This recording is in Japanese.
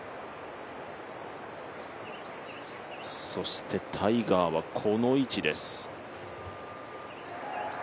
そしてタイガーはこの位置です。